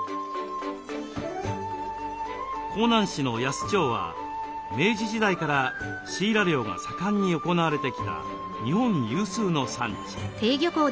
香南市の夜須町は明治時代からシイラ漁が盛んに行われてきた日本有数の産地。